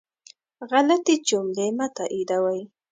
غلطي جملې مه تائیدوئ